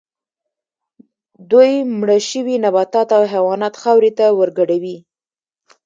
دوی مړه شوي نباتات او حیوانات خاورې ته ورګډوي